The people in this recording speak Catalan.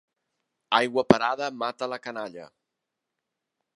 Aigua parada mata la canalla.